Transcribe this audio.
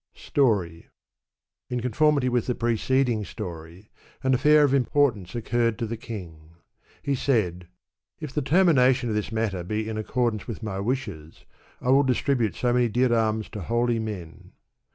Story. In conformity with the preceding story, an afEur of importance occurred to the king. He said, " If the termination of this matter be in accordance with my wishes, I will distribute so many dirams to holy men."